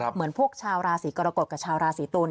เหมือนพวกชาวราศีกรกฎกับชาวราศีตุล